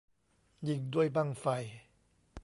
ยิงด้วยบั้งไฟ